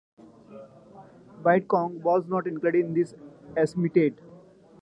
Viet Cong were not included in these estimates.